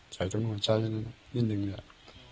ใส่ตรงหัวใจเนี่ยนะนิดนึงเนี่ย